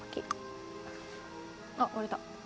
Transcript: あっ割れた。